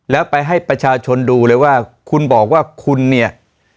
แล้วไปให้ประชาชนดูเลยว่าคุณบอกว่าคุณเนี่ย